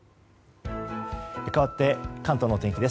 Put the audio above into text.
かわって関東のお天気です。